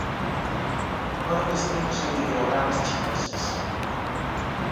Foron escritos en ideogramas chineses.